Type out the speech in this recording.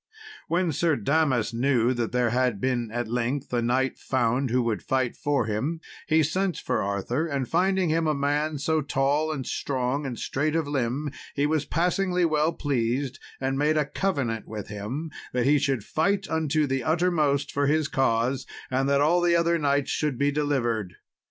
When Sir Damas knew that there had been at length a knight found who would fight for him, he sent for Arthur, and finding him a man so tall and strong, and straight of limb, he was passingly well pleased, and made a covenant with him, that he should fight unto the uttermost for his cause, and that all the other knights should be delivered.